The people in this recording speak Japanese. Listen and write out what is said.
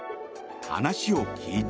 話を聞いた。